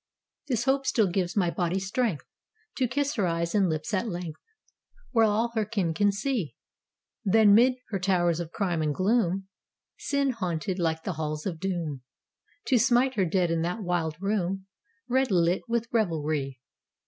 This hope still gives my body strength To kiss her eyes and lips at length Where all her kin can see; Then 'mid her towers of crime and gloom, Sin haunted like the Halls of Doom, To smite her dead in that wild room Red lit with revelry.